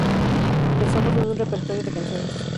Pensamos en un repertorio de canciones.